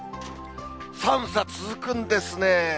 寒さ続くんですね。